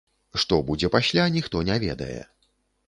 Што будзе пасля, ніхто не ведае.